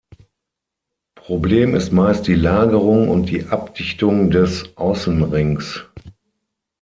Problem ist meist die Lagerung und die Abdichtung des Außenrings.